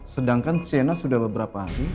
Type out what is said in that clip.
sedangkan siena sudah beberapa hari